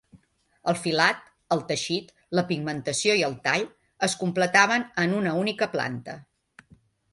El filat, el teixit, la pigmentació i el tall es completaven en una única planta.